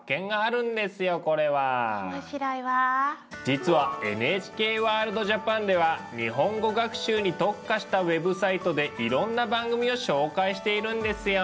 実は「ＮＨＫワールドＪＡＰＡＮ」では日本語学習に特化したウェブサイトでいろんな番組を紹介しているんですよ。